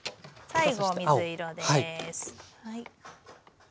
最後水色です。